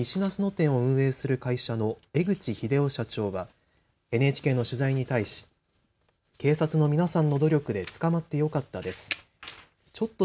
西那須野店を運営する会社の江口日出男社長はＮＨＫの取材に対し警察の皆さんの努力で捕まってよかったです。